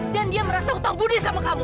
dan dia merasa hutang budi sama kamu